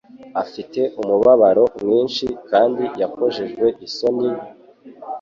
afite umubabaro mwinshi kandi yakojejwe isoni,